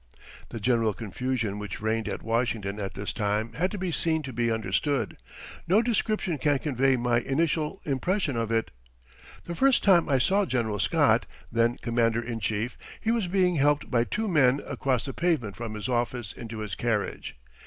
The general confusion which reigned at Washington at this time had to be seen to be understood. No description can convey my initial impression of it. The first time I saw General Scott, then Commander in Chief, he was being helped by two men across the pavement from his office into his carriage.